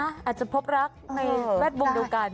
อาจจะพบรักในแวดวงเดียวกัน